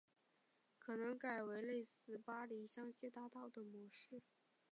可能改为类似巴黎香榭大道的模式